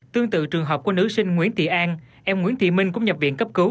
tương tự trường hợp của nữ sinh nguyễn tị an em nguyễn thị minh cũng nhập viện cấp cứu